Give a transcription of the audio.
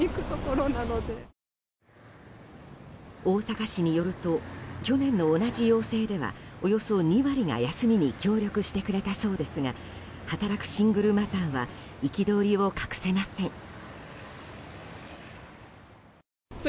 大阪市によると去年の同じ要請ではおよそ２割が休みに協力してくれたそうですが働くシングルマザーは憤りを隠せません。